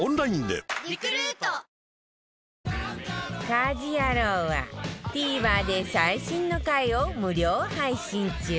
『家事ヤロウ！！！』は ＴＶｅｒ で最新の回を無料配信中